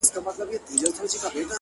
چي ته نه يې زما په ژوند كي.!